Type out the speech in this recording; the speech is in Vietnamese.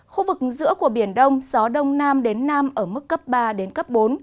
khu vực giữa của biển đông gió đông nam đến nam ở mức cấp ba đến cấp bốn